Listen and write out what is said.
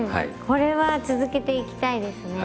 これは続けていきたいですね。